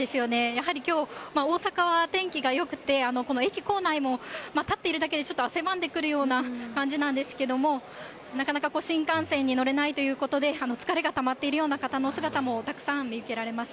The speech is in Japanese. やはりきょう、大阪は天気がよくて、駅構内も、立っているだけでちょっと汗ばんでくるような感じなんですけれども、なかなか新幹線に乗れないということで、疲れがたまっているような方の姿もたくさん見受けられます。